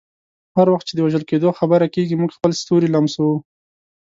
هر وخت چې د وژل کیدو خبره کیږي، موږ خپل ستوري لمسوو.